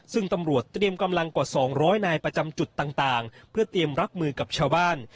ซึ่งตำรวจเตรียมกำลังกว่า๒๐๐นายประจำจุดต่างเพื่อเตรียมรับมือกับชาวบ้าน